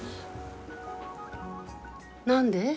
何で？